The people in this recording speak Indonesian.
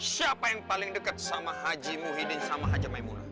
siapa yang paling deket sama haji muhyiddin sama haja maimunah